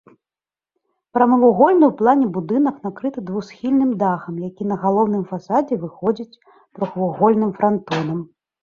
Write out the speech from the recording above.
Прамавугольны ў плане будынак накрыты двухсхільным дахам, які на галоўным фасадзе выходзіць трохвугольным франтонам.